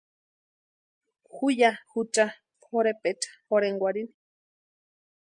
Ju ya jucha pʼorhepecha jorhenkwarhini.